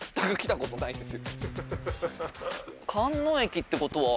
観音駅ってことは。